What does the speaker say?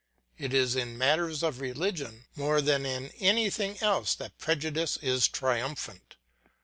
It is in matters of religion more than in anything else that prejudice is triumphant.